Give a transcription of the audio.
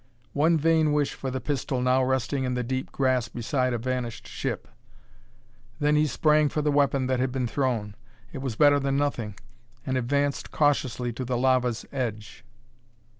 One vain wish for the pistol now resting in the deep grass beside a vanished ship; then he sprang for the weapon that had been thrown it was better than nothing and advanced cautiously to the lava's edge.